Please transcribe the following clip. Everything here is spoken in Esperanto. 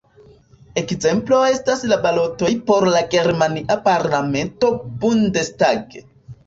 Ekzemplo estas la balotoj por la germania parlamento Bundestag.